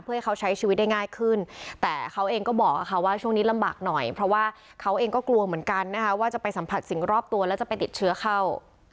เพื่อให้เขาใช้ชีวิตได้ง่ายขึ้นแต่เขาเองก็บอกว่าช่วงนี้ลำบากหน่อยเพราะว่าเขาเองก็กลัวเหมือนกันนะคะว่าจะไปสัมผัสสิ่งรอบตัวแล้วจะไปติดเชื้อเข้า